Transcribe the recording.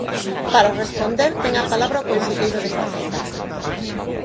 Para responder, ten a palabra o conselleiro de Facenda.